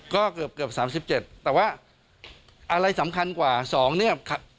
ก็เกือบ๓๗แต่ว่าอะไรสำคัญกว่า๒เนี่ย